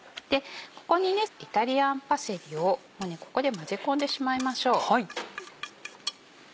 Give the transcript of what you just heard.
ここにイタリアンパセリを混ぜ込んでしまいましょう。